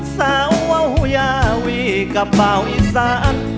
เซาว้าวยาวีกับเบาอีสาน